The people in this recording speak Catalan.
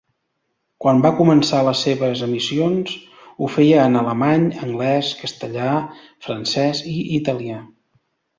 Quan va començar les seves emissions ho feia en alemany, anglès, castellà, francès i italià.